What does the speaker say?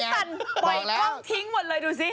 สั่นปล่อยกล้องทิ้งหมดเลยดูสิ